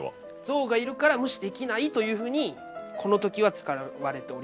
象がいるから無視できないというふうにこの時は使われておりまして。